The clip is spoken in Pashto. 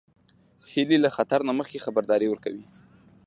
هیلۍ له خطر نه مخکې خبرداری ورکوي